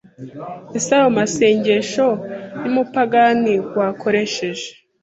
Ese ayo masengesho yumupagani wakoresheje